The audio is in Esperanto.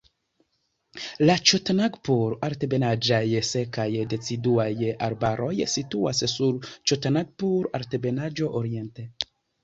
La ĉotanagpur-altebenaĵaj sekaj deciduaj arbaroj situas sur Ĉotanagpur-Altebenaĵo oriente.